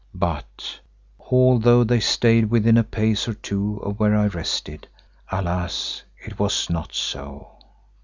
But, although they stayed within a pace or two of where I rested, alas! it was not so.